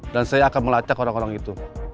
dan saya akan melacak orang orang itu